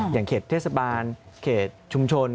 อย่างเขตเทศบาลเขตชุมชน